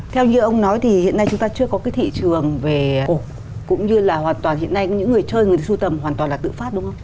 theo như ông nói thì hiện nay chúng ta chưa có cái thị trường về ồ cũng như là hoàn toàn hiện nay những người chơi người su tầm hoàn toàn là tự phát đúng không